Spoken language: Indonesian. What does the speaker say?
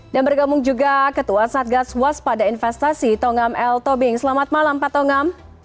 dan bergabung juga ketua satgas waspada investasi tongam l tobing selamat malam pak tongam